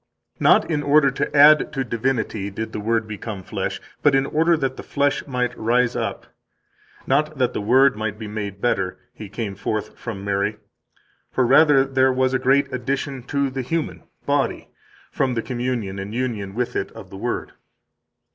"Not in order to add to divinity did the Word become flesh, but in order that the flesh might rise up; not that the Word might be made better, He came forth from Mary; for rather was there a great addition to the human (body) from the communion and union with it of the Word."